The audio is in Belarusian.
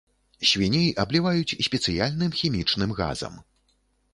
Свіней абліваюць спецыяльным хімічным газам.